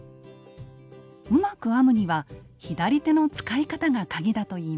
うまく編むには左手の使い方がカギだといいます。